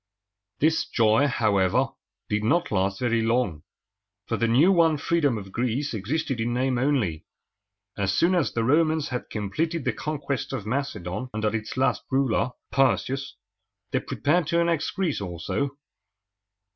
This joy, however, did not last very long, for the new won freedom of Greece existed in name only. As soon as the Romans had completed the conquest of Macedon under its last ruler, Perseus, they prepared to annex Greece also.